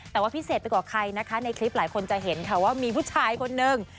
แต่ว่าพิเศษไปกว่าใครนะคะในคลิปหลายคนจะเห็นค่ะว่ามีผู้ชายคนนึง